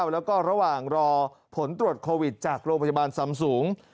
แล้วก็ระหว่างรอผลตรวจโควิดจากโรงพยาบาลซำสูง